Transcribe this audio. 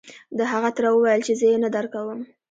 د هغه تره وويل چې زه يې نه درکوم.